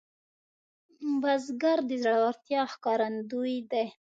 بزګر د زړورتیا ښکارندوی دی